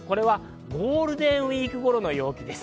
ゴールデンウイークごろの陽気です。